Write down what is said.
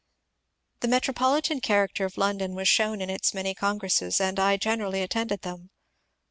The metropolitan character of London was shown in its many congresses, and I generally attended them.